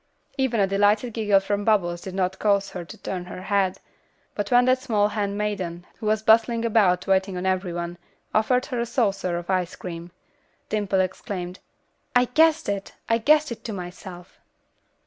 Even a delighted giggle from Bubbles did not cause her to turn her head, but when that small hand maiden, who was bustling about waiting on every one, offered her a saucer of ice cream, Dimple exclaimed, "I guessed it! I guessed it to myself."